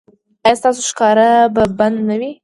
ایا ستاسو ښکار به بند نه وي؟